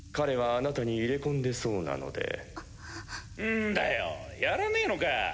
んだよやらねぇのか。